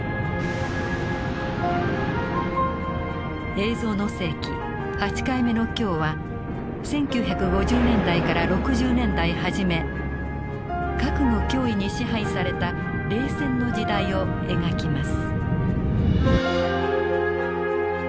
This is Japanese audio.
「映像の世紀」８回目の今日は１９５０年代から６０年代初め核の脅威に支配された冷戦の時代を描きます。